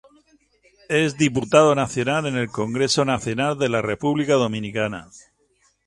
Es Diputado Nacional en el Congreso Nacional de la República Dominicana.